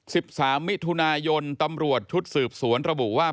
สิบสามมิถุนายนตำรวจชุดสืบสวนระบุว่า